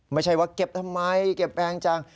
ไม่ใช่ว่าเก็บทำไมเก็บแพงจัง